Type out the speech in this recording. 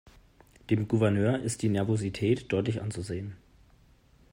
Dem Gouverneur ist die Nervosität deutlich anzusehen.